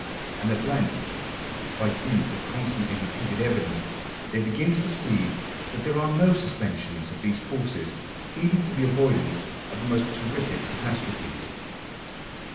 And at length, by dint of constantly repeated evidence, they begin to perceive that there are no suspensions of these forces even for the avoidance of the most terrific catastrophes.